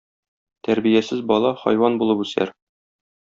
Тәрбиясез бала хайван булып үсәр.